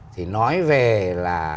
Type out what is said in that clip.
thì nói về là